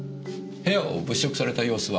部屋を物色された様子は？